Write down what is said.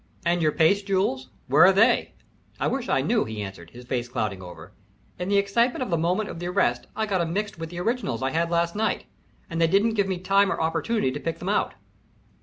"And your paste jewels, where are they?" "I wish I knew," he answered, his face clouding over. "In the excitement of the moment of the arrest I got 'em mixed with the originals I had last night, and they didn't give me time or opportunity to pick 'em out.